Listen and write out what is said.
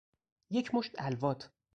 یک مشت الواط